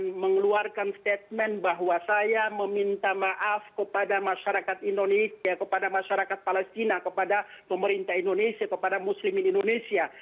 saya mengeluarkan statement bahwa saya meminta maaf kepada masyarakat indonesia kepada masyarakat palestina kepada pemerintah indonesia kepada muslimin indonesia